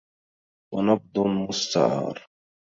ونبض مستعارُ.